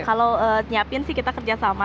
kalau nyiapin sih kita kerjasama